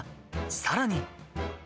さらに。